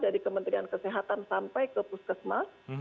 dari kementerian kesehatan sampai ke puskesmas